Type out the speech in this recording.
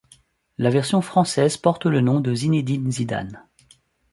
La version française porte le nom de Zinédine Zidane.